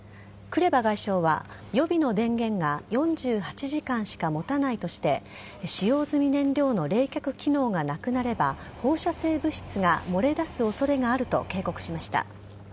クレバ外相は予備の電源が４８時間しか持たないとして使用済み燃料の冷却機能がなくなれば放射性物質が漏れ出す恐れがあると警告しました。